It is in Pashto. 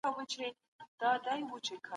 سیاست یوازې د څو کسانو کار نه دی.